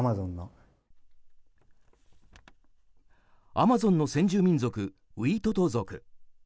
アマゾンの先住民族ウイトト族。